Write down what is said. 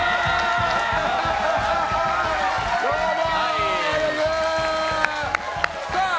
どうも！